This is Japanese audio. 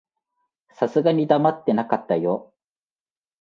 さすがに黙ってなかったよ。